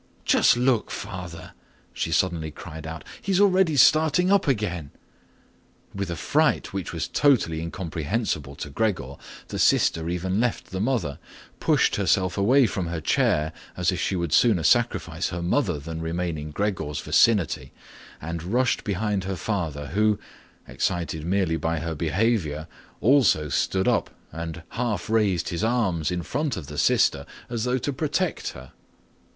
Just look, father," she suddenly cried out, "he's already starting up again." With a fright which was totally incomprehensible to Gregor, the sister even left the mother, pushed herself away from her chair, as if she would sooner sacrifice her mother than remain in Gregor's vicinity, and rushed behind her father who, excited merely by her behaviour, also stood up and half raised his arms in front of the sister as though to protect her.